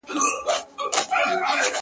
لنډۍ په غزل کي، څلورمه برخه؛